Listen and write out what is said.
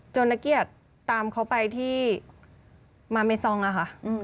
จนนักเกียจตามเขาไปที่มาเมซองค่ะ